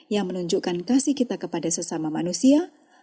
yang menunjukkan kasih kita kepada sesama manusia